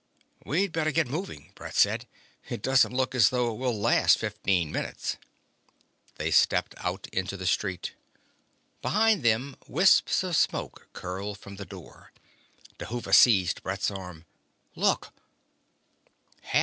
"We'd better get moving," Brett said. "It doesn't look as though it will last fifteen minutes." They stepped out into the street. Behind them wisps of smoke curled from the door. Dhuva seized Brett's arm. "Look!"